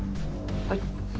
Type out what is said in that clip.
はい。